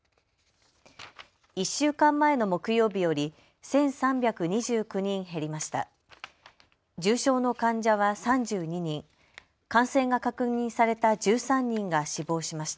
１週間前の木曜日より１３２９人減りました。